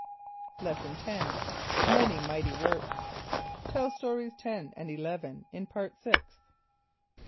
= Lesson X. Many Mighty Works. (Tell Stories 10 and 11 in Part Sixth.)